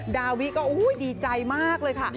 ดาวิก็ดีใจมากเลยค่ะ